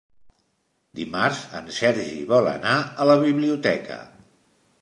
Dimarts en Sergi vol anar a la biblioteca.